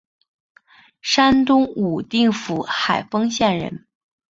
山东武定府海丰县人。